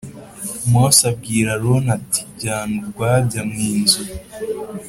Mose abwira Aroni ati Jyana urwabya mu inzu.